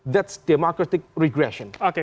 dan juga sebagai alat regresi politik